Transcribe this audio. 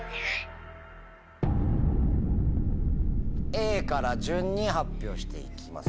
Ａから順に発表していきます。